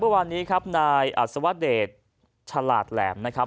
เมื่อวานนี้ครับนายอัศวเดชฉลาดแหลมนะครับ